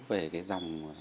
về cái dòng